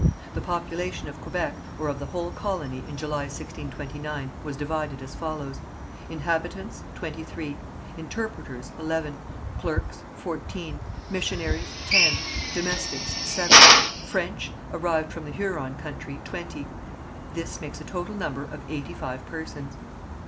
The population of Quebec or of the whole colony in July, 1629, was divided as follows: Inhabitants, twenty three; interpreters, eleven; clerks, fourteen; missionaries, ten; domestics, seven; French, arrived from the Huron country, twenty. This makes a total number of eighty five persons.